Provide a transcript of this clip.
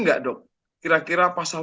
nggak dok kira kira pasal